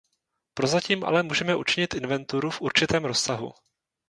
Prozatím ale můžeme učinit inventuru v určitém rozsahu.